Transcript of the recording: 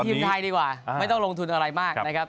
ทีมไทยดีกว่าไม่ต้องลงทุนอะไรมากนะครับ